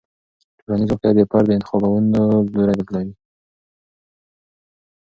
ټولنیز واقیعت د فرد د انتخابونو لوری بدلوي.